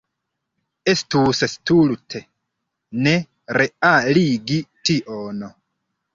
Estus stulte ne realigi tion.